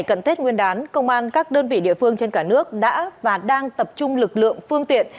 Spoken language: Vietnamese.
cận tết nguyên đán công an các đơn vị địa phương trên cả nước đã và đang tập trung lực lượng phương tiện